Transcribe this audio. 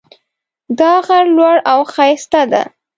دا غر لوړ او ښایسته ده